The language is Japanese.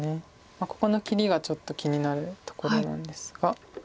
ここの切りがちょっと気になるところなんですが。